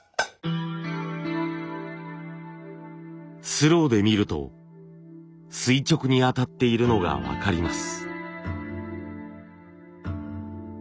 スローで見ると垂直に当たっているのが分かります。